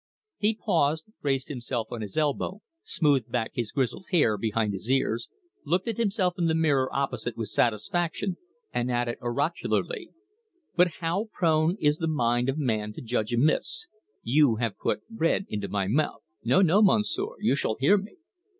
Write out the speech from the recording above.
He paused, raised himself on his elbow, smoothed back his grizzled hair behind his ears, looked at himself in the mirror opposite with satisfaction, and added oracularly: "But how prone is the mind of man to judge amiss! You have put bread into my mouth no, no, Monsieur, you shall hear me!